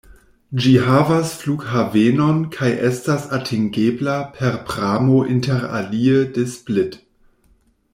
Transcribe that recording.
Ĝi havas flughavenon kaj estas atingebla per pramo interalie de Split.